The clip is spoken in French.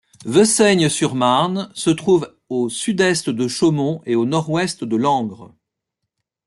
Vesaignes-sur-Marne se trouve à au sud-est de Chaumont et à au nord-ouest de Langres.